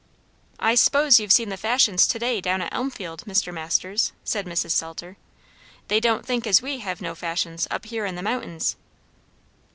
"I s'pose you've seen the fashions to day down at Elmfield, Mr. Masters," said Mrs. Salter. "They don't think as we hev' no fashions, up here in the mountains."